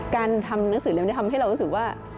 การทำหนังสือเร็วนี้ทำให้เรารู้สึกว่า